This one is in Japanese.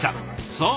そう。